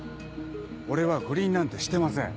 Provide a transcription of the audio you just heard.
俺は不倫なんてしてません